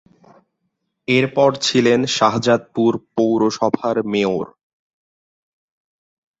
এরপর ছিলেন শাহজাদপুর পৌরসভার মেয়র।